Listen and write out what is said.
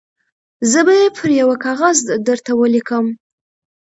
زه به یې پر یوه کاغذ درته ولیکم.